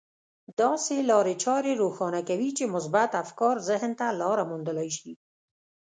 داسې لارې چارې روښانه کوي چې مثبت افکار ذهن ته لاره موندلای شي.